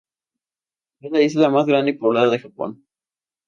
Es la isla más grande y poblada de Japón.